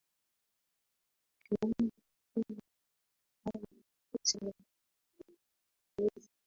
ikiungwa mkono na au pamoja na umoja wa mataifa